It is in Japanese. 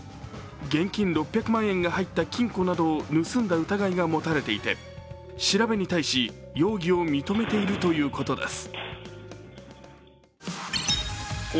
現金６００万円が入った金庫などを盗んだ疑いが持たれていて調べに対し、容疑を認めているということです。